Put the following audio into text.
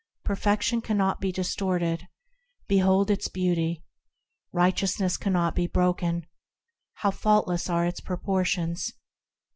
Perfection cannot be distorted,– Behold its beauty ! Righteousness cannot be broken,– How faultless are its proportions!